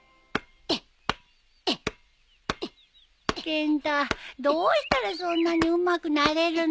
ケンタどうしたらそんなにうまくなれるの？